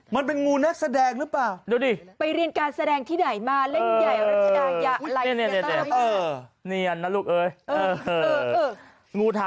มันเป็นงูนักแสดงหรือเปล่าดูดิไปเรียนการแสดงที่ไหนมาเล่นใหญ่รัชกายะอะไร